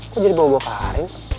kok jadi bawa bawa karin